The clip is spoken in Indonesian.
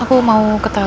aku mau ke rumah lo